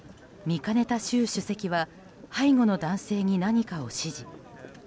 見かねた習主席は背後の男性に何かを指示。